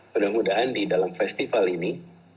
mudah mudahan di dalam festival ini